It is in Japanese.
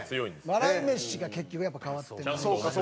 笑い飯が結局やっぱ変わってない。